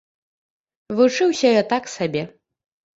Вучыўся я так сабе.